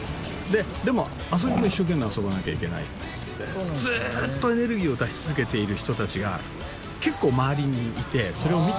でも遊びも一生懸命遊ばなきゃいけないってずーっとエネルギーを出し続けている人たちが結構周りにいてそれを見てるから。